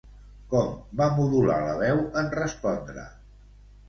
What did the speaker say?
Com va modular la veu en respondre?